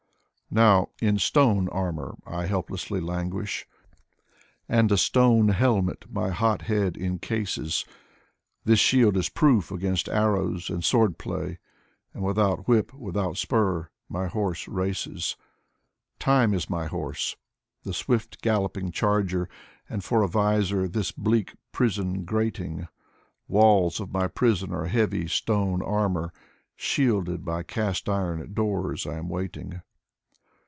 Now in stone armor I hopelessly languish. And a stone helmet my hot head encases. This shield is proof against arrows and sword play, And without whip, without spur, my horse races. Time is my horse, the swift galloping charger, And for a visor this bleak prison grating. Walls of my prison are heavy stone armor; Shielded by cast iron doors, I am waiting.